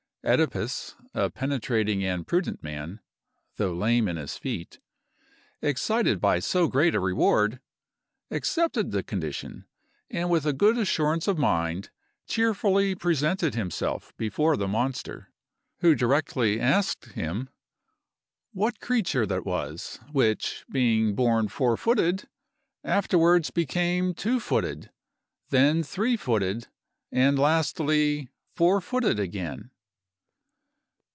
Œdipus, a penetrating and prudent man, though lame in his feet, excited by so great a reward, accepted the condition, and with a good assurance of mind, cheerfully presented himself before the monster, who directly asked him: "What creature that was, which, being born four footed, afterwards became two footed, then three footed, and lastly four footed again?"